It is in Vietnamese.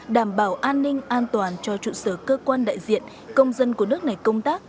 đảm bảo an ninh an toàn cho trụ sở cơ quan đại diện công dân của nước này công tác